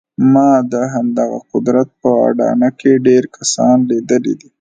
ما د همدغه قدرت په اډانه کې ډېر کسان لیدلي دي